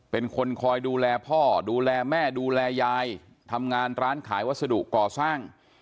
เป็นคนคอยดูแลพ่อดูแลแม่ดูแลยายทำงานร้านขายวัสดุก่อสร้าง